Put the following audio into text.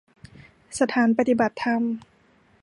สถานปฏิบัติธรรม